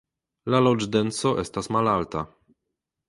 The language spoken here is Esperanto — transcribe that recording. La loĝdenso estas malalta.